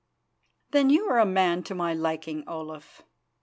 "Then you are a man to my liking, Olaf."